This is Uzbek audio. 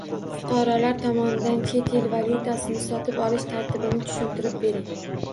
Fuqarolar tomonidan chet el valyutasini sotib olish tartibini tushuntirib bering?